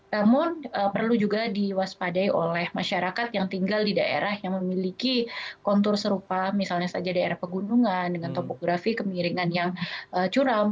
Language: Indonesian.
namun perlu juga diwaspadai oleh masyarakat yang tinggal di daerah yang memiliki kontur serupa misalnya saja daerah pegunungan dengan topografi kemiringan yang curam